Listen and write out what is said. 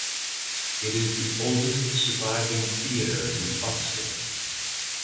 It is the oldest surviving theatre in Buxton.